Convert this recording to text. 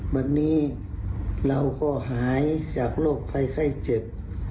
วันนี้เราก็หายจากโรคภัยไข้เจ็บ